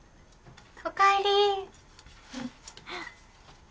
おかえり。